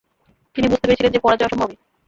তিনি বুঝতে পেরেছিলেন যে পরাজয় অবসম্ভাবি ।